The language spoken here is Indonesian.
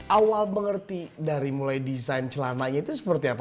awal mengerti dari mulai desain celananya itu seperti apa